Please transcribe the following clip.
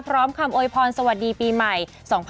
พร้อมคำโอยพรสวัสดีปีใหม่๒๕๖๐